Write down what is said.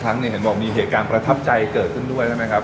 เห็นบอกมีเหตุการณ์ประทับใจเกิดขึ้นด้วยใช่ไหมครับ